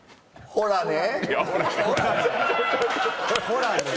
ほらね。